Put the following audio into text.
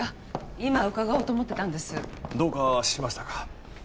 今うかがおうと思ってたんですどうかしましたか？